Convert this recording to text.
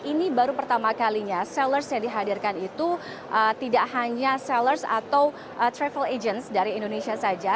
ini baru pertama kalinya sellers yang dihadirkan itu tidak hanya sellers atau travel agents dari indonesia saja